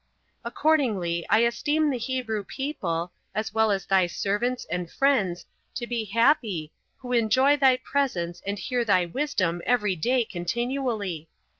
Accordingly I esteem the Hebrew people, as well as thy servants and friends, to be happy, who enjoy thy presence and hear thy wisdom every day continually.